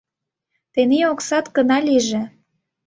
Тений оксат гына лийже.